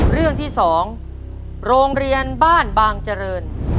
เรื่องที่๒โรงเรียนบ้านบางเจริญ